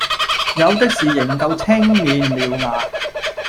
有的是仍舊青面獠牙，